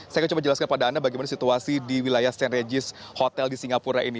saya akan coba jelaskan pada anda bagaimana situasi di wilayah st regis hotel di singapura ini